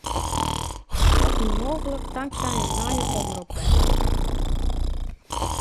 Dat wie mooglik tanksij in nije omropwet.